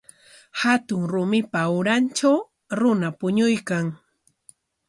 Hatun rumipa urantraw runa puñuykan.